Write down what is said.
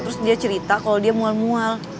terus dia cerita kalau dia mual mual